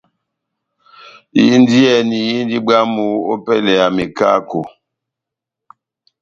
Indiyɛni indi bwámu ópɛlɛ ya mekako.